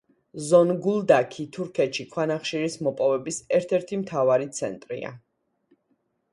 ზონგულდაქი თურქეთში ქვანახშირის მოპოვების ერთ-ერთი მთავარი ცენტრია.